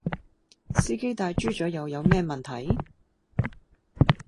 司機戴豬嘴又有咩問題?